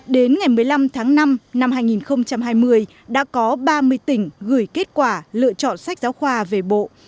đến ngày một mươi năm tháng năm năm hai nghìn hai mươi đã có ba mươi tỉnh gửi kết quả lựa chọn sách giáo khoa về bộ